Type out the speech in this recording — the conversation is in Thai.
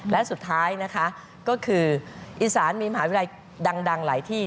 และสุดท้ายนะคะก็คืออีสานมีมหาวิทยาลัยดังหลายที่